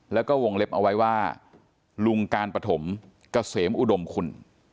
แล้วก็วงเล็บเอาไว้ว่าลุงการปฐมเกษมอุดมคุณ